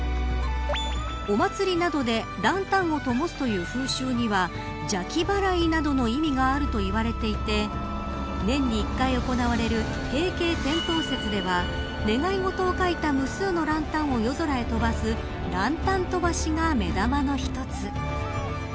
お祭りなどでランタンをともすという風習には邪気払いなどの意味があると言われていて年に１回行われる平渓天燈節では願い事を書いた無数のランタンを空へ飛ばすランタン飛ばしが目玉の一つ。